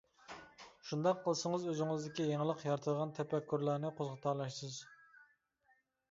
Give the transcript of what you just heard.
شۇنداق قىلسىڭىز ئۆزىڭىزدىكى يېڭىلىق يارىتىدىغان تەپەككۇرلارنى قوزغىتالايسىز.